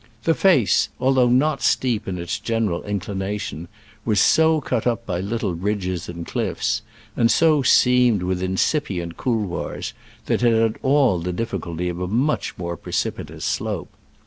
The face, although not steep in its general inclination, was so cut up by little ridges and cliffs, and so seamed with incipient couloirs, that it had all the difficulty of a much more precipitous slope.